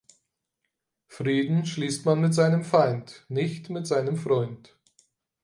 Frieden schließt man mit seinem Feind, nicht mit seinem Freund.